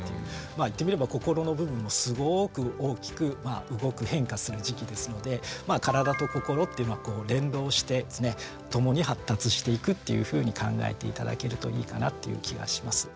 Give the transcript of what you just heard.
言ってみれば心の部分もすごく大きくまあ動く変化する時期ですので体と心っていうのは連動して共に発達していくっていうふうに考えて頂けるといいかなっていう気がします。